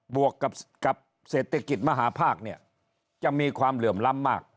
วกกับเศรษฐกิจมหาภาคเนี่ยจะมีความเหลื่อมล้ำมาก